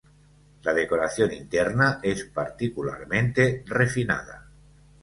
La decoración interna es particularmente refinada.